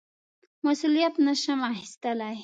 مسوولیت نه شم اخیستلای.